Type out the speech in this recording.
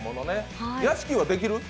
屋敷はできる？